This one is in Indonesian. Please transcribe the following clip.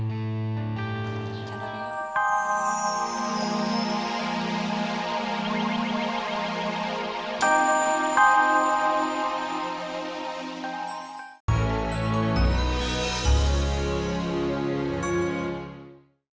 dimitra keeping pace